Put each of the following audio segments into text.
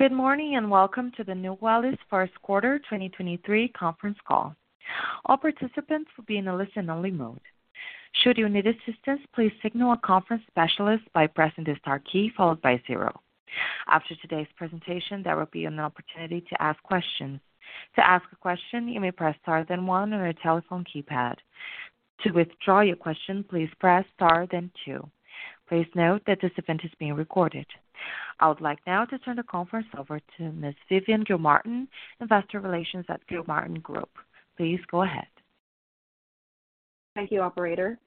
Good morning. Welcome to the Nuwellis First Quarter 2023 Conference Call. All participants will be in a listen-only mode. Should you need assistance, please signal a conference specialist by pressing the star key followed by zero. After today's presentation, there will be an opportunity to ask questions. To ask a question, you may press Star then one on your telephone keypad. To withdraw your question, please press Star then two. Please note that this event is being recorded. I would like now to turn the conference over to Ms. Vivian Cervantes, Investor Relations at Gilmartin Group. Please go ahead. Thank you, operator.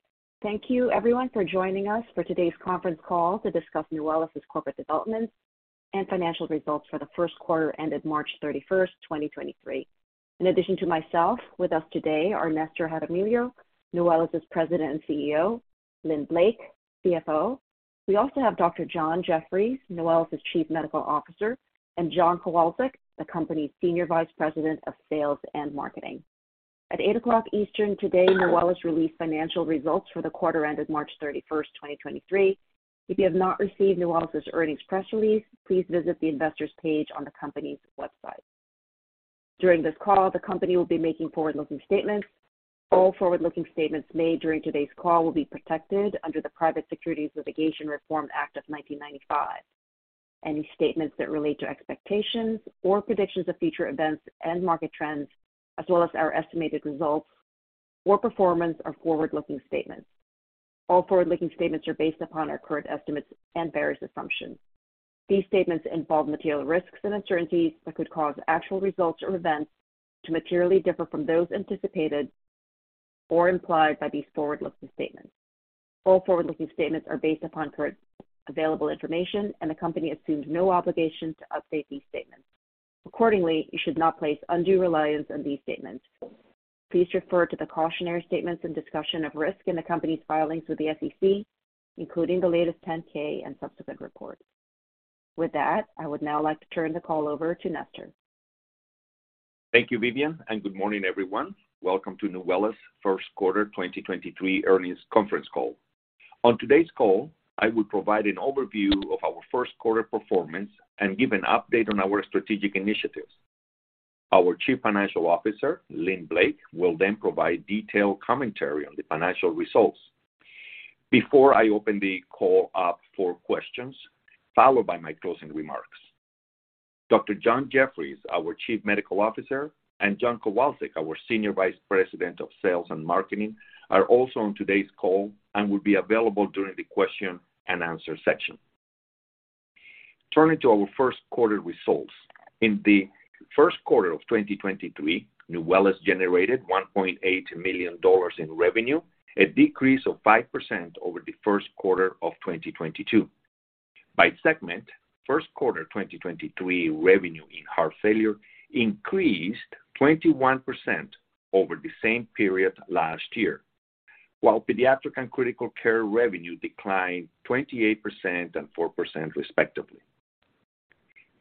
Thank you everyone for joining us for today's conference call to discuss Nuwellis' corporate developments and financial results for the first quarter ended March 31st, 2023. In addition to myself, with us today are Nestor Jaramillo, Nuwellis' President and CEO, Lynn Blake, CFO. We also have Dr. John Jefferies, Nuwellis' Chief Medical Officer, and John Kowalczyk, the company's Senior Vice President of Sales and Marketing. At 8:00 o'clock Eastern today, Nuwellis released financial results for the quarter ended March 31st, 2023. If you have not received Nuwellis' earnings press release, please visit the investors page on the company's website. During this call, the company will be making forward-looking statements. All forward-looking statements made during today's call will be protected under the Private Securities Litigation Reform Act of 1995. Any statements that relate to expectations or predictions of future events and market trends, as well as our estimated results or performance are forward-looking statements. All forward-looking statements are based upon our current estimates and various assumptions. These statements involve material risks and uncertainties that could cause actual results or events to materially differ from those anticipated or implied by these forward-looking statements. All forward-looking statements are based upon current available information, and the company assumes no obligation to update these statements. Accordingly, you should not place undue reliance on these statements. Please refer to the cautionary statements and discussion of risk in the company's filings with the SEC, including the latest 10-K and subsequent reports. I would now like to turn the call over to Nestor. Thank you, Vivian, and good morning, everyone. Welcome to Nuwellis' first quarter 2023 earnings conference call. On today's call, I will provide an overview of our first quarter performance and give an update on our strategic initiatives. Our Chief Financial Officer, Lynn Blake, will then provide detailed commentary on the financial results. Before I open the call up for questions, followed by my closing remarks, Dr. John Jefferies, our Chief Medical Officer, and John Kowalczyk, our Senior Vice President of Sales and Marketing, are also on today's call and will be available during the question and answer section. Turning to our first quarter results. In the first quarter of 2023, Nuwellis generated $1.8 million in revenue, a decrease of 5% over the first quarter of 2022. By segment, first quarter 2023 revenue in heart failure increased 21% over the same period last year. While pediatric and critical care revenue declined 28% and 4% respectively.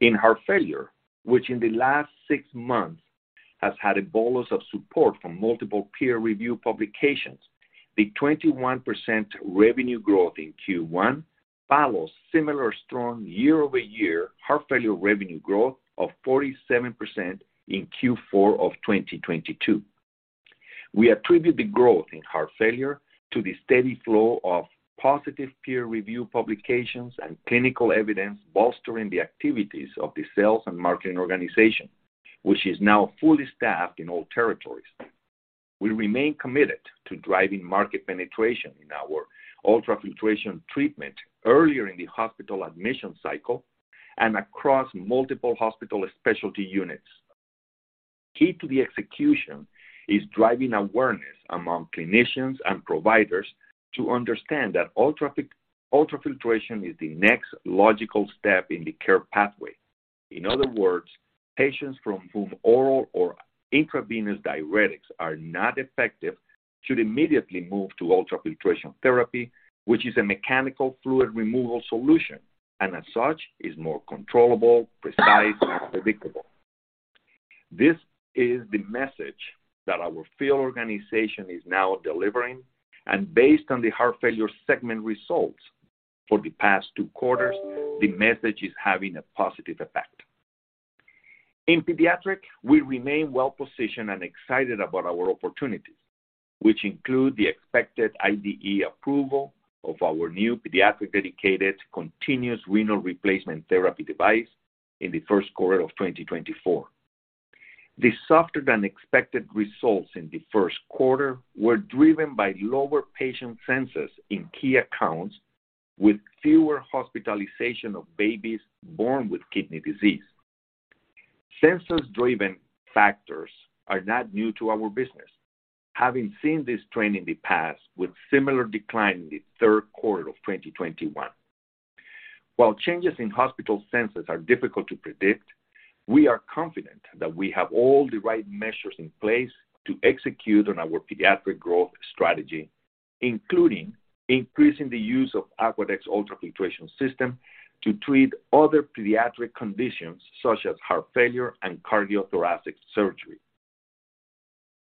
In heart failure, which in the last six months has had a bolus of support from multiple peer review publications, the 21% revenue growth in Q1 follows similar strong year-over-year heart failure revenue growth of 47% in Q4 of 2022. We attribute the growth in heart failure to the steady flow of positive peer review publications and clinical evidence bolstering the activities of the sales and marketing organization, which is now fully staffed in all territories. We remain committed to driving market penetration in our ultrafiltration treatment earlier in the hospital admission cycle and across multiple hospital specialty units. Key to the execution is driving awareness among clinicians and providers to understand that ultrafiltration is the next logical step in the care pathway. In other words, patients from whom oral or intravenous diuretics are not effective should immediately move to ultrafiltration therapy, which is a mechanical fluid removal solution, and as such is more controllable, precise, and predictable. This is the message that our field organization is now delivering. Based on the heart failure segment results for the past 2 quarters, the message is having a positive effect. In pediatric, we remain well-positioned and excited about our opportunities, which include the expected IDE approval of our new pediatric-dedicated continuous renal replacement therapy device in the 1st quarter of 2024. The softer-than-expected results in the 1st quarter were driven by lower patient census in key accounts with fewer hospitalization of babies born with kidney disease. Census-driven factors are not new to our business. Having seen this trend in the past with similar decline in the third quarter of 2021. While changes in hospital census are difficult to predict, we are confident that we have all the right measures in place to execute on our pediatric growth strategy, including increasing the use of Aquadex ultrafiltration system to treat other pediatric conditions such as heart failure and cardiothoracic surgery.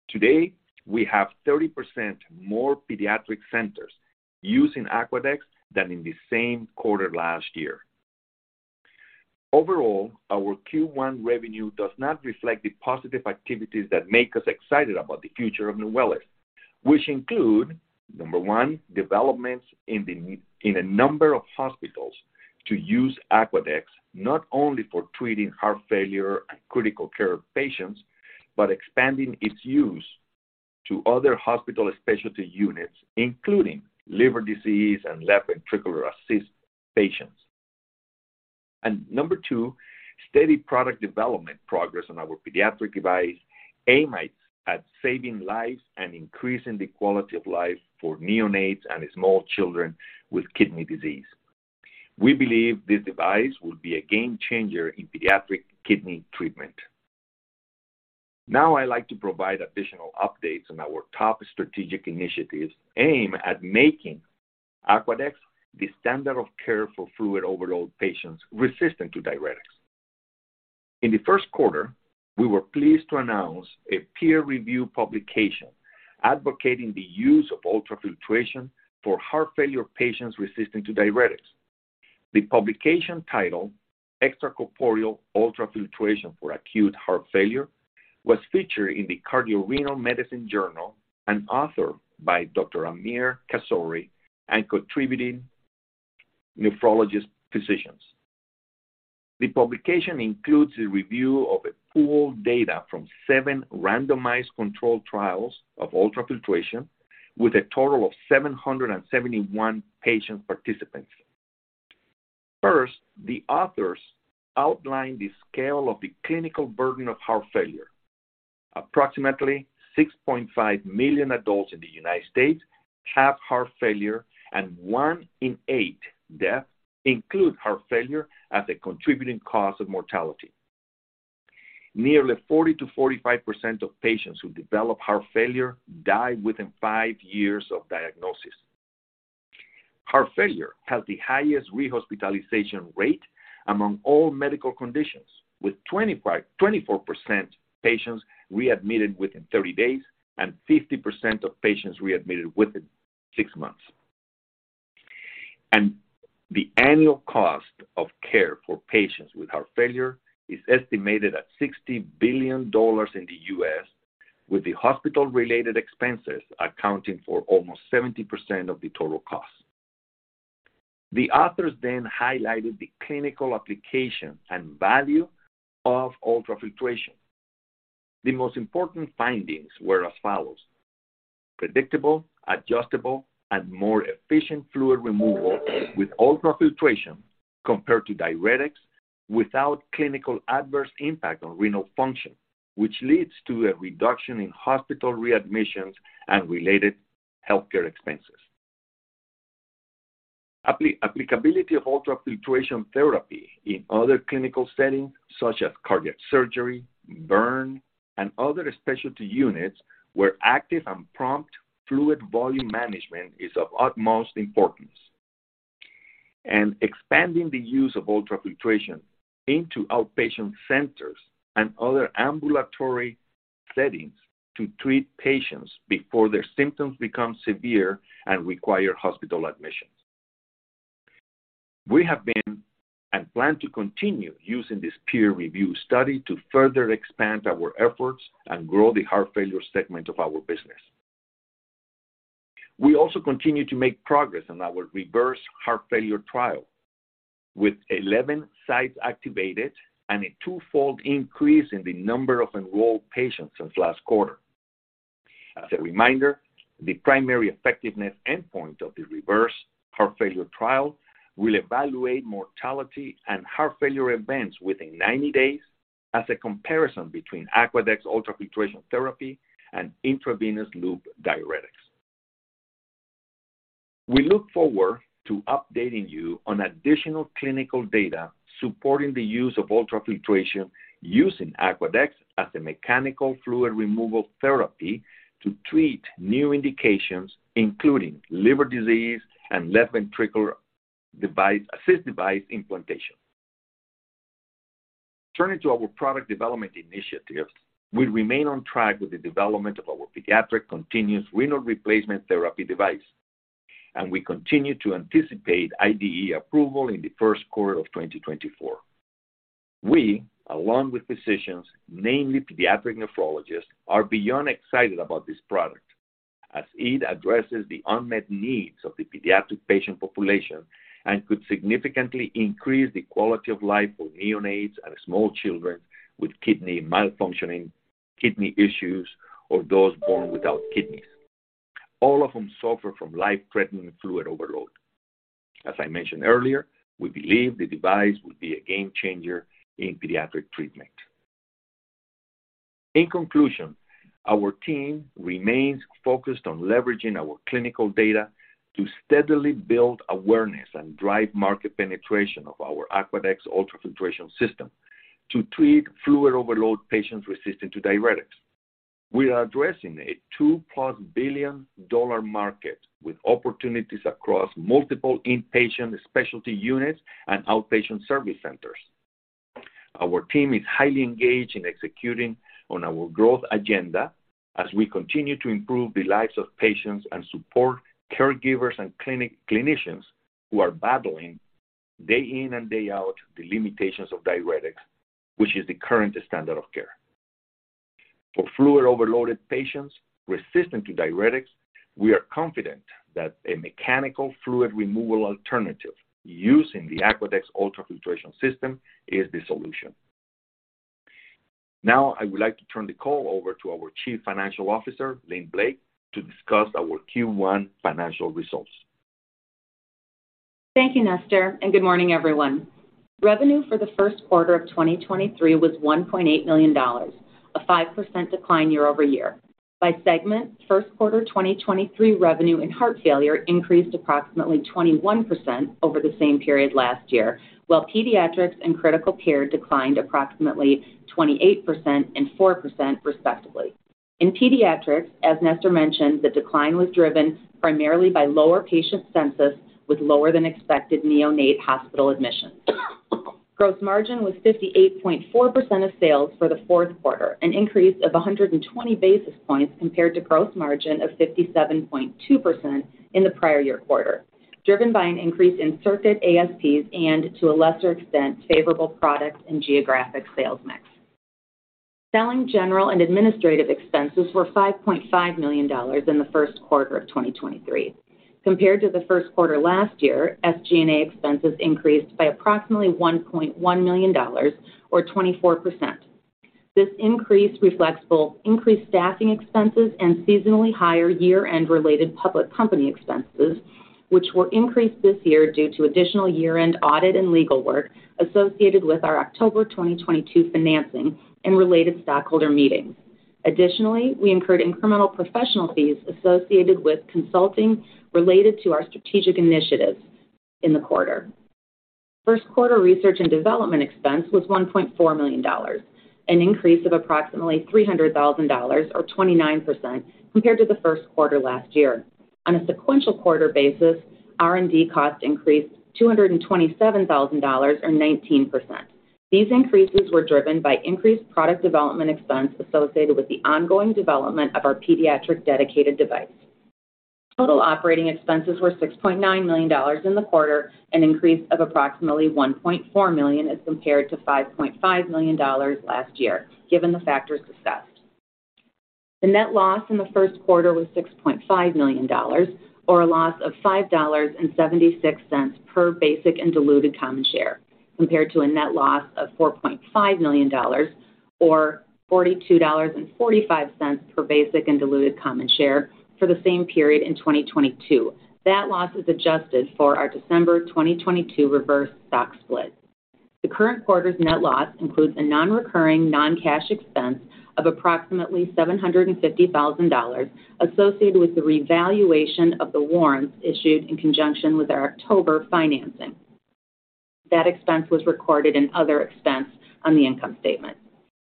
Today, we have 30% more pediatric centers using Aquadex than in the same quarter last year. Overall, our Q1 revenue does not reflect the positive activities that make us excited about the future of Nuwellis. Include, number 1, developments in a number of hospitals to use Aquadex, not only for treating heart failure and critical care patients, but expanding its use to other hospital specialty units, including liver disease and left ventricular assist patients. Number 2, steady product development progress on our pediatric device aimed at saving lives and increasing the quality of life for neonates and small children with kidney disease. We believe this device will be a game changer in pediatric kidney treatment. I'd like to provide additional updates on our top strategic initiatives aimed at making Aquadex the standard of care for fluid overload patients resistant to diuretics. In the first quarter, we were pleased to announce a peer review publication advocating the use of ultrafiltration for heart failure patients resistant to diuretics. The publication title, Extracorporeal Ultrafiltration for Acute Heart Failure, was featured in the CardioRenal Medicine Journal and authored by Dr. Amir Kazory and contributing nephrologist physicians. The publication includes a review of a pool data from 7 randomized controlled trials of ultrafiltration with a total of 771 patient participants. The authors outlined the scale of the clinical burden of heart failure. Approximately 6.5 million adults in the U.S. have heart failure. 1 in 8 death include heart failure as a contributing cause of mortality. Nearly 40%-45% of patients who develop heart failure die within 5 years of diagnosis. Heart failure has the highest rehospitalization rate among all medical conditions, with 24% patients readmitted within 30 days and 50% of patients readmitted within 6 months. The annual cost of care for patients with heart failure is estimated at $60 billion in the U.S., with the hospital-related expenses accounting for almost 70% of the total cost. The authors highlighted the clinical application and value of ultrafiltration. The most important findings were as follows: predictable, adjustable, and more efficient fluid removal with ultrafiltration compared to diuretics without clinical adverse impact on renal function, which leads to a reduction in hospital readmissions and related healthcare expenses. Applicability of ultrafiltration therapy in other clinical settings, such as cardiac surgery, burn, and other specialty units, where active and prompt fluid volume management is of utmost importance. Expanding the use of ultrafiltration into outpatient centers and other ambulatory settings to treat patients before their symptoms become severe and require hospital admission. We have been and plan to continue using this peer-reviewed study to further expand our efforts and grow the heart failure segment of our business. We also continue to make progress on our REVERSE heart failure trial with 11 sites activated and a 2-fold increase in the number of enrolled patients since last quarter. As a reminder, the primary effectiveness endpoint of the REVERSE heart failure trial will evaluate mortality and heart failure events within 90 days as a comparison between Aquadex ultrafiltration therapy and intravenous loop diuretics. We look forward to updating you on additional clinical data supporting the use of ultrafiltration using Aquadex as a mechanical fluid removal therapy to treat new indications, including liver disease and left ventricular device, assist device implantation. Turning to our product development initiatives, we remain on track with the development of our pediatric continuous renal replacement therapy device. We continue to anticipate IDE approval in the first quarter of 2024. We, along with physicians, namely pediatric nephrologists, are beyond excited about this product as it addresses the unmet needs of the pediatric patient population and could significantly increase the quality of life for neonates and small children with kidney malfunctioning, kidney issues, or those born without kidneys, all of whom suffer from life-threatening fluid overload. As I mentioned earlier, we believe the device will be a game changer in pediatric treatment. In conclusion, our team remains focused on leveraging our clinical data to steadily build awareness and drive market penetration of our Aquadex ultrafiltration system to treat fluid overload patients resistant to diuretics. We are addressing a $2+ billion market with opportunities across multiple inpatient specialty units and outpatient service centers. Our team is highly engaged in executing on our growth agenda as we continue to improve the lives of patients and support caregivers and clinicians who are battling day in and day out the limitations of diuretics, which is the current standard of care. For fluid-overloaded patients resistant to diuretics, we are confident that a mechanical fluid removal alternative using the Aquadex ultrafiltration system is the solution. I would like to turn the call over to our Chief Financial Officer, Lynn Blake, to discuss our Q1 financial results. Thank you, Nestor, and good morning, everyone. Revenue for the first quarter of 2023 was $1.8 million, a 5% decline year-over-year. By segment, first quarter 2023 revenue in heart failure increased approximately 21% over the same period last year, while pediatrics and critical care declined approximately 28% and 4%, respectively. In pediatrics, as Nestor mentioned, the decline was driven primarily by lower patient census with lower than expected neonate hospital admissions. Gross margin was 58.4% of sales for the fourth quarter, an increase of 120 basis points compared to gross margin of 57.2% in the prior year quarter, driven by an increase in circuit ASPs and to a lesser extent, favorable product and geographic sales mix. Selling, General, and Administrative expenses were $5.5 million in the first quarter of 2023. Compared to the first quarter last year, SG&A expenses increased by approximately $1.1 million, or 24%. This increase reflects both increased staffing expenses and seasonally higher year-end related public company expenses, which were increased this year due to additional year-end audit and legal work associated with our October 2022 financing and related stockholder meetings. We incurred incremental professional fees associated with consulting related to our strategic initiatives in the quarter. First quarter Research and Development expense was $1.4 million, an increase of approximately $300,000, or 29%, compared to the first quarter last year. On a sequential quarter basis, R&D cost increased $227,000 or 19%. These increases were driven by increased product development expense associated with the ongoing development of our pediatric dedicated device. Total operating expenses were $6.9 million in the quarter, an increase of approximately $1.4 million as compared to $5.5 million last year, given the factors discussed. The net loss in the first quarter was $6.5 million or a loss of $5.76 per basic and diluted common share, compared to a net loss of $4.5 million or $42.45 per basic and diluted common share for the same period in 2022. That loss is adjusted for our December 2022 reverse stock split. The current quarter's net loss includes a non-recurring non-cash expense of approximately $750,000 associated with the revaluation of the warrants issued in conjunction with our October financing. That expense was recorded in other expense on the income statement.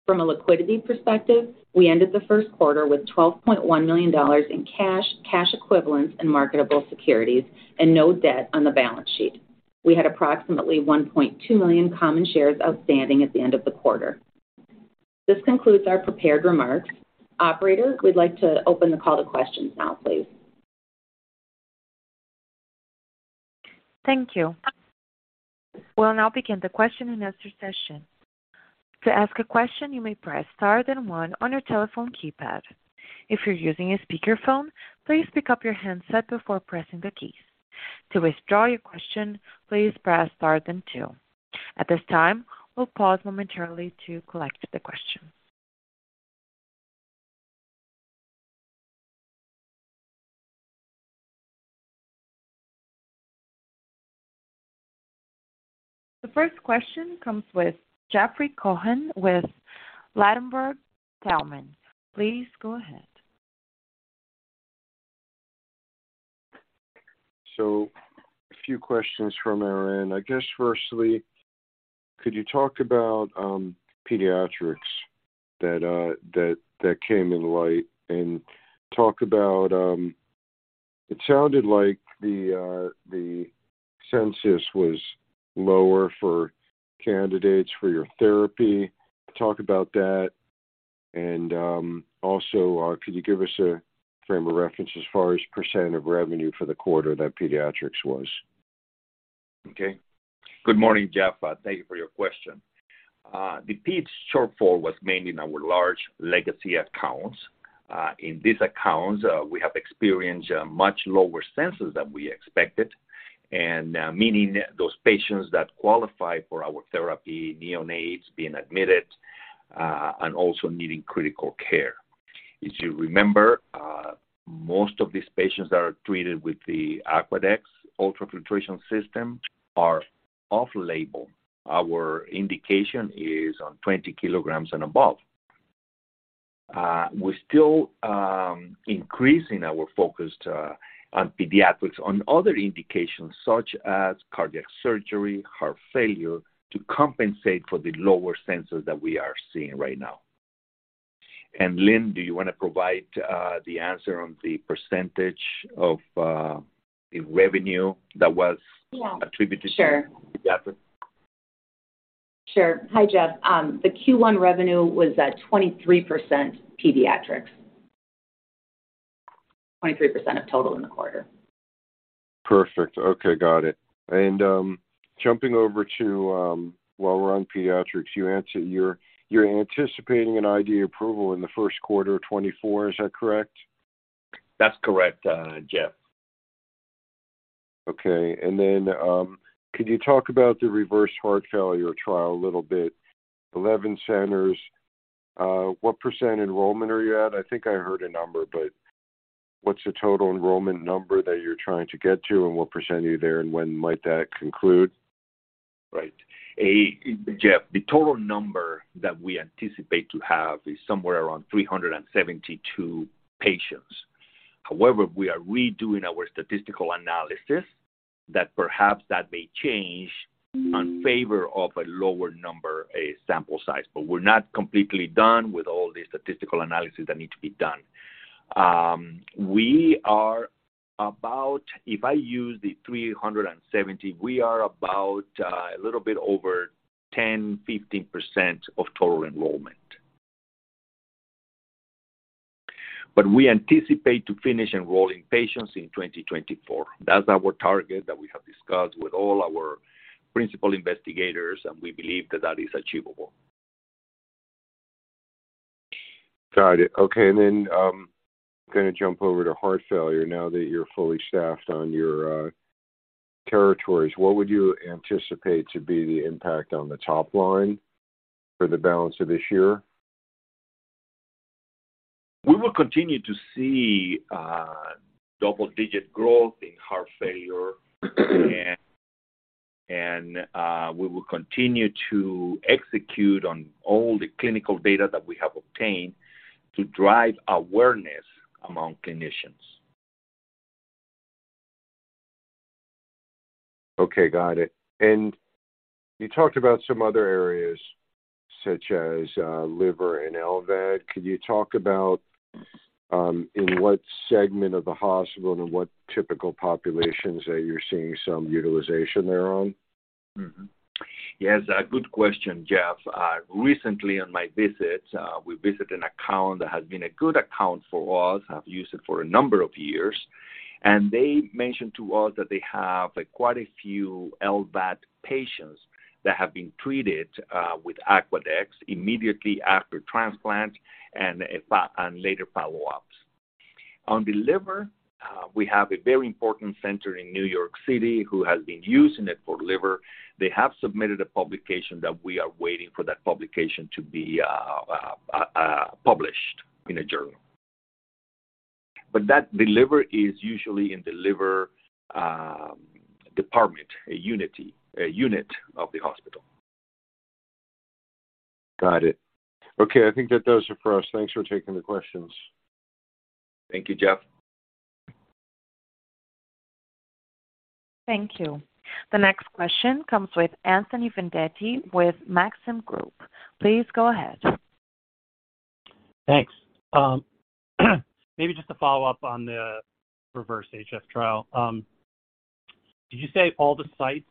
From a liquidity perspective, we ended the first quarter with $12.1 million in cash equivalents, and marketable securities and no debt on the balance sheet. We had approximately 1.2 million common shares outstanding at the end of the quarter. This concludes our prepared remarks. Operator, we'd like to open the call to questions now, please. Thank you. We'll now begin the question and answer session. To ask a question, you may press Star then one on your telephone keypad. If you're using a speakerphone, please pick up your handset before pressing the keys. To withdraw your question, please press Star then two. At this time, we'll pause momentarily to collect the question. The first question comes with Jeffrey Cohen with Ladenburg Thalmann. Please go ahead. A few questions from our end. I guess, firstly, could you talk about pediatrics that came in light? It sounded like the census was lower for candidates for your therapy. Talk about that. Also, could you give us a frame of reference as far as % of revenue for the quarter that pediatrics was? Okay. Good morning, Jeffrey Cohen. Thank you for your question. The peds shortfall was mainly in our large legacy accounts. In these accounts, we have experienced a much lower census than we expected, meaning those patients that qualify for our therapy, neonates being admitted, and also needing critical care. If you remember, most of these patients that are treated with the Aquadex SmartFlow ultrafiltration system are off-label. Our indication is on 20 kilograms and above. We're still increasing our focus on pediatrics on other indications such as cardiac surgery, heart failure, to compensate for the lower census that we are seeing right now. Lynn Blake, do you wanna provide the answer on the percentage of the revenue that was. Yeah. attributed to pediatrics? Sure. Sure. Hi, Jeff. The Q1 revenue was at 23% pediatrics. 23% of total in the quarter. Perfect. Okay. Got it. Jumping over to, while we're on pediatrics, you're anticipating an IDE approval in the first quarter of 2024. Is that correct? That's correct, Jeff. Okay. Can you talk about the reverse heart failure trial a little bit? 11 centers. What % enrollment are you at? I think I heard a number, but what's the total enrollment number that you're trying to get to? What % are you there, and when might that conclude? Right. Jeff, the total number that we anticipate to have is somewhere around 372 patients. However, we are redoing our statistical analysis that perhaps that may change in favor of a lower number, sample size. We're not completely done with all the statistical analysis that need to be done. If I use the 370, we are about a little bit over 10-15% of total enrollment. We anticipate to finish enrolling patients in 2024. That's our target that we have discussed with all our principal investigators, and we believe that that is achievable. Got it. Okay. gonna jump over to heart failure now that you're fully staffed on your territories. What would you anticipate to be the impact on the top line for the balance of this year? We will continue to see double-digit growth in heart failure. We will continue to execute on all the clinical data that we have obtained to drive awareness among clinicians. Okay, got it. You talked about some other areas such as, liver and LVAD. Can you talk about, in what segment of the hospital and what typical populations that you're seeing some utilization there on? Yes, a good question, Jeff. Recently on my visit, we visited an account that has been a good account for us, have used it for a number of years. They mentioned to us that they have quite a few LVAD patients that have been treated with Aquadex immediately after transplant and later follow-ups. On the liver, we have a very important center in New York City who has been using it for liver. They have submitted a publication that we are waiting for that publication to be published in a journal. The liver is usually in the liver department, a unit of the hospital. Got it. Okay, I think that those are for us. Thanks for taking the questions. Thank you, Jeff. Thank you. The next question comes with Anthony Vendetti with Maxim Group. Please go ahead. Thanks. Maybe just a follow-up on the REVERSE-HF trial. Did you say all the sites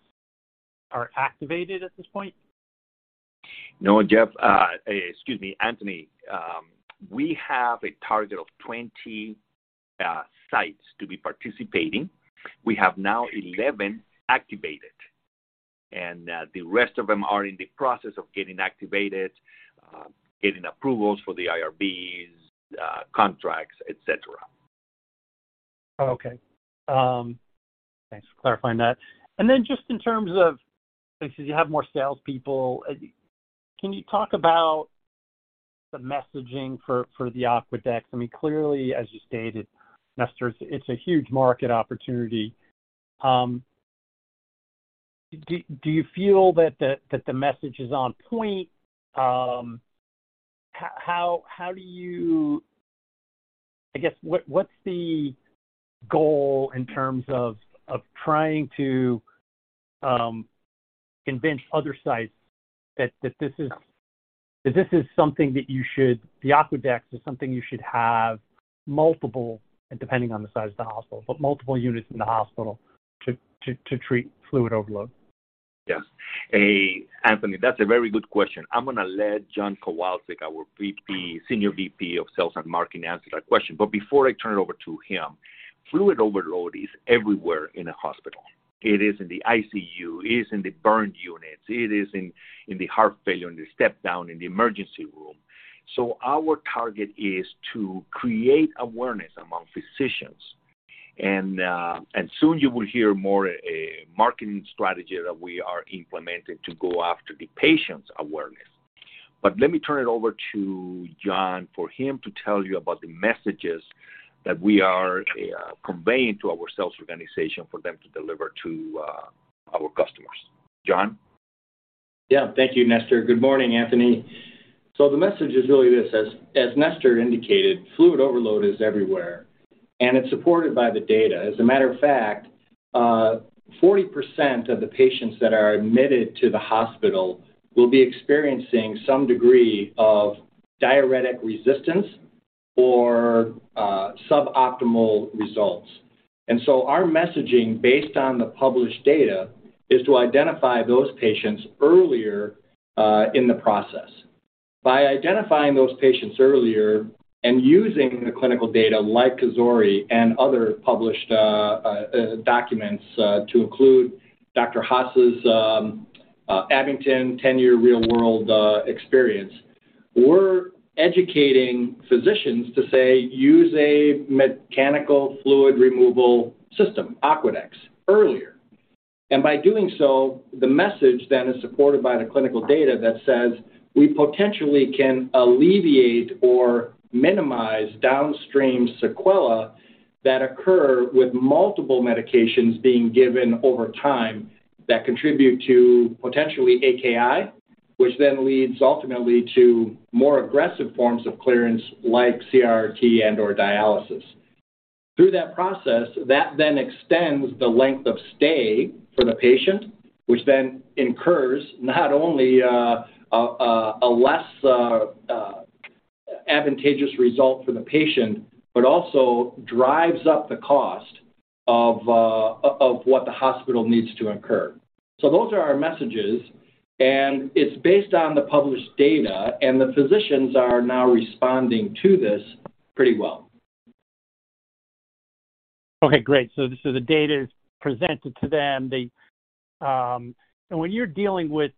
are activated at this point? Anthony. We have a target of 20 sites to be participating. We have now 11 activated. The rest of them are in the process of getting activated, getting approvals for the IRBs, contracts, etc. Okay. Thanks for clarifying that. Just in terms of you said you have more salespeople. Can you talk about the messaging for the Aquadex? I mean, clearly, as you stated, Nestor, it's a huge market opportunity. Do you feel that the message is on point? How do you I guess what's the goal in terms of trying to convince other sites that this is something that you should The Aquadex is something you should have multiple, and depending on the size of the hospital, but multiple units in the hospital to treat fluid overload? Yes. Anthony, that's a very good question. I'm going to let John Kowalczyk, our Senior Vice President of Sales and Marketing, answer that question. Before I turn it over to him, fluid overload is everywhere in a hospital. It is in the ICU. It is in the burn units. It is in the heart failure, in the step-down, in the emergency room. Our target is to create awareness among physicians. Soon you will hear more marketing strategy that we are implementing to go after the patients' awareness. Let me turn it over to John for him to tell you about the messages that we are conveying to our sales organization for them to deliver to our customers. John? Yeah. Thank you, Nestor. Good morning, Anthony. The message is really this. As Nestor indicated, fluid overload is everywhere. It's supported by the data. As a matter of fact, 40% of the patients that are admitted to the hospital will be experiencing some degree of diuretic resistance or suboptimal results. Our messaging, based on the published data, is to identify those patients earlier in the process. By identifying those patients earlier and using the clinical data like Kazory and other published documents, to include Dr. Haas's Abington 10-year real-world experience, we're educating physicians to say use a mechanical fluid removal system, Aquadex, earlier. By doing so, the message then is supported by the clinical data that says we potentially can alleviate or minimize downstream sequela that occur with multiple medications being given over time that contribute to potentially AKI, which then leads ultimately to more aggressive forms of clearance like CRRT and/or dialysis. Through that process, that then extends the length of stay for the patient, which then incurs not only a less advantageous result for the patient, but also drives up the cost of what the hospital needs to incur. Those are our messages, and it's based on the published data, and the physicians are now responding to this pretty well. Okay, great. The data is presented to them. They... when you're dealing with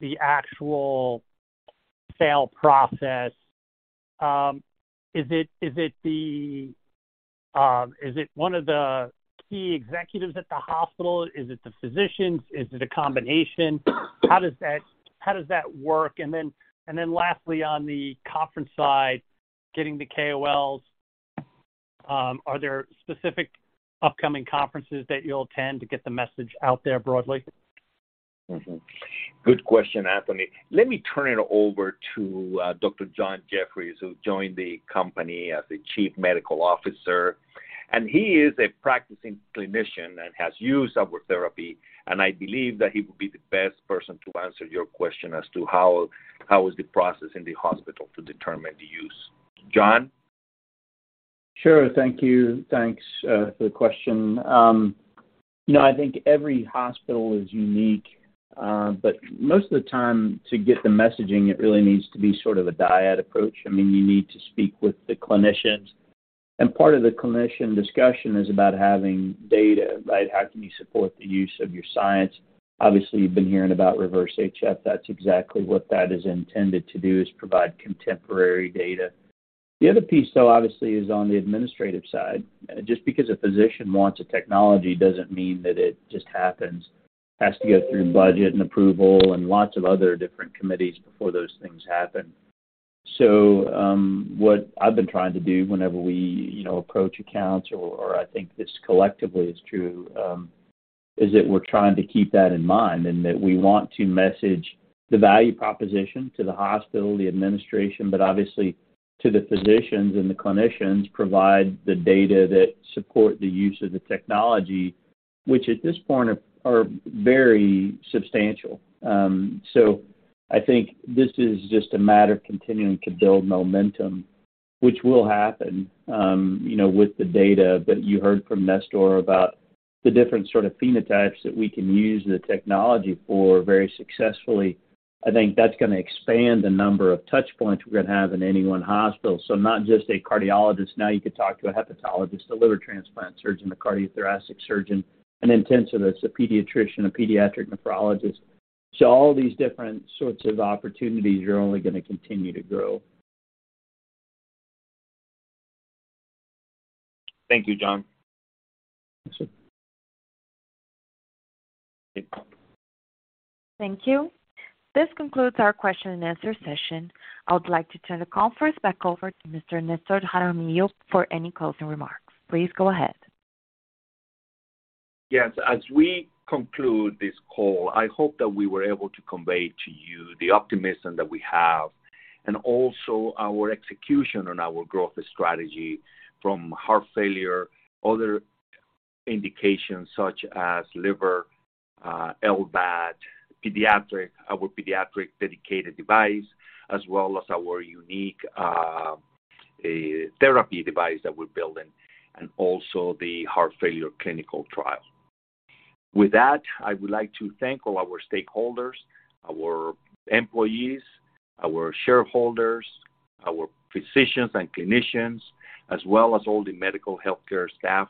the actual sale process, is it the, is it one of the key executives at the hospital? Is it the physicians? Is it a combination? How does that work? Then lastly, on the conference side, getting the KOLs, are there specific upcoming conferences that you'll attend to get the message out there broadly? Mm-hmm. Good question, Anthony. Let me turn it over to Dr. John Jefferies, who joined the company as the Chief Medical Officer. He is a practicing clinician and has used our therapy, and I believe that he would be the best person to answer your question as to how is the process in the hospital to determine the use. John? Sure. Thank you. Thanks for the question. You know, I think every hospital is unique, but most of the time, to get the messaging, it really needs to be sort of a dyad approach. I mean, you need to speak with the clinicians. Part of the clinician discussion is about having data, right? How can you support the use of your science? Obviously, you've been hearing about REVERSE-HF. That's exactly what that is intended to do, is provide contemporary data. The other piece, though, obviously, is on the administrative side. Just because a physician wants a technology doesn't mean that it just happens. It has to go through budget and approval and lots of other different committees before those things happen. What I've been trying to do whenever we, you know, approach accounts or I think this collectively is true, is that we're trying to keep that in mind and that we want to message the value proposition to the hospital, the administration, but obviously to the physicians and the clinicians, provide the data that support the use of the technology, which at this point are very substantial. I think this is just a matter of continuing to build momentum, which will happen, you know, with the data that you heard from Nestor about the different sort of phenotypes that we can use the technology for very successfully. I think that's gonna expand the number of touchpoints we're gonna have in any one hospital. Not just a cardiologist. Now you could talk to a hepatologist, a liver transplant surgeon, a cardiothoracic surgeon, an intensivist, a pediatrician, a pediatric nephrologist. All these different sorts of opportunities are only going to continue to grow. Thank you, John. That's it. Thank you. This concludes our question and answer session. I would like to turn the conference back over to Mr. Nestor Jaramillo for any closing remarks. Please go ahead. Yes. As we conclude this call, I hope that we were able to convey to you the optimism that we have and also our execution on our growth strategy from heart failure, other indications such as liver, LVAD, pediatric, our pediatric-dedicated device, as well as our unique therapy device that we're building, and also the heart failure clinical trial. I would like to thank all our stakeholders, our employees, our shareholders, our physicians and clinicians, as well as all the medical healthcare staff.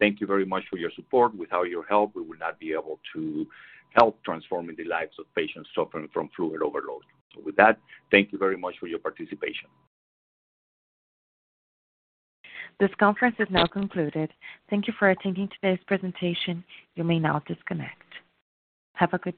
Thank you very much for your support. Without your help, we would not be able to help transforming the lives of patients suffering from fluid overload. With that, thank you very much for your participation. This conference is now concluded. Thank you for attending today's presentation. You may now disconnect. Have a good day.